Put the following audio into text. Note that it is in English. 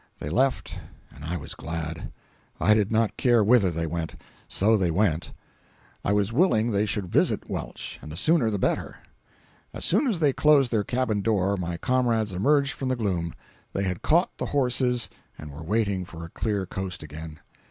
They left and I was glad. I did not care whither they went, so they went. I was willing they should visit Welch, and the sooner the better. As soon as they closed their cabin door my comrades emerged from the gloom; they had caught the horses and were waiting for a clear coast again.